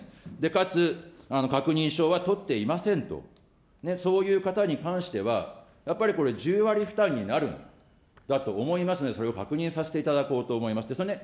かつ、確認書は取っていませんと、そういう方に関しては、やっぱりこれ、１０割負担になるんだと思いますが、それを確認させていただこうと思いますとね。